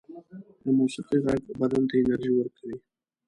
د موسيقۍ غږ بدن ته انرژی ورکوي